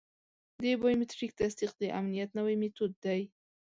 د بایومټریک تصدیق د امنیت نوی میتود دی.